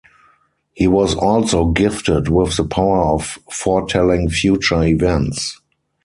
He was also "gifted with the power of foretelling future events".